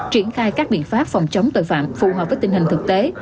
triển khai các biện pháp phòng chống tội phạm phù hợp với tình hình thực tế